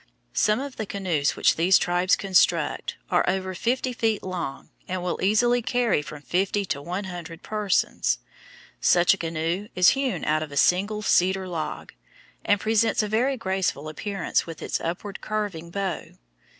Some of the canoes which these tribes construct are over fifty feet long and will easily carry from fifty to one hundred persons. Such a canoe is hewn out of a single cedar log, and presents a very graceful appearance with its upward curving bow.